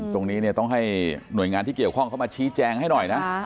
ตรงนี้เนี่ยต้องให้หน่วยงานที่เกี่ยวข้องเข้ามาชี้แจงให้หน่อยนะ